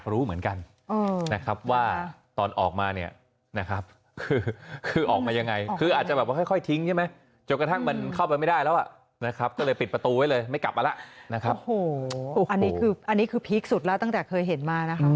เราก็อยากคุยกับเขาอยากให้เขามาติดต่อเรา